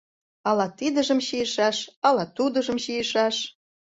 «Ала тидыжым чийышаш, ала тудыжым чийышаш?